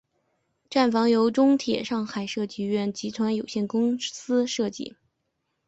站房由中铁上海设计院集团有限公司设计。